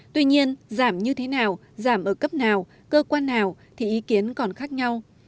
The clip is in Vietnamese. tuy nhiên giảm như thế nào giảm ở cấp nào cơ quan nào thì ý kiến còn khác nhau